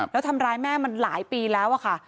แล้วทำร้ายแม่มันหลายปีแล้วอะค่ะ